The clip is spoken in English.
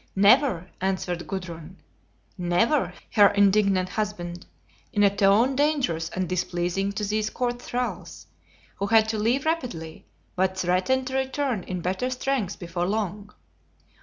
"Never," answered Gudrun; "never," her indignant husband; in a tone dangerous and displeasing to these Court thralls; who had to leave rapidly, but threatened to return in better strength before long.